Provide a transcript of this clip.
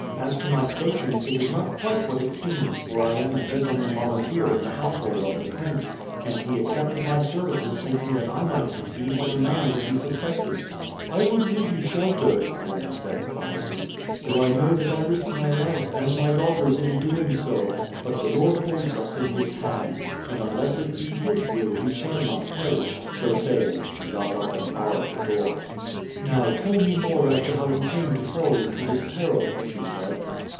"As to my station, it is not quite what it seems; for I am a gentleman volunteer in the household of the prince, and he accepted my services thinking that I might succeed when a man would be suspected." "I will give you shelter," the woman said quietly; "though I know that I risk my life and my daughter's in doing so. But the Lord holds us in His hands, and unless it be His will we shall not perish." So saying, she got up and barred the door. "Now, tell me more as to how you came to fall into this peril," she said.